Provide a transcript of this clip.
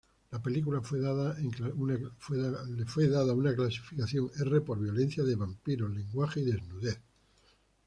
La película fue dada una clasificación R por violencia de vampiros, lenguaje y desnudez.